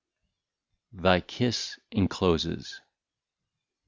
I70 THY KISS ENCLOSES.